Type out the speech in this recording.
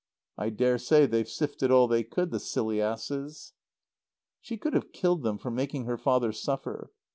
"I daresay they've sifted all they could, the silly asses." She could have killed them for making her father suffer.